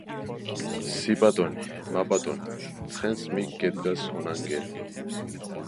სი – პატონი მა – პატონი ცხენც მიქ გედგას ონანგერი?